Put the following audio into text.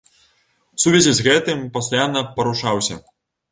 У сувязі з гэтым пастаянна парушаўся.